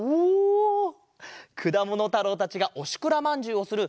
くだものたろうたちがおしくらまんじゅうをする